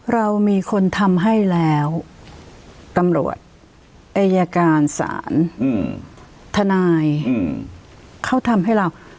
เรามีคนทำให้แล้วตำรวจอายการศาลทนายเขาทำให้เรา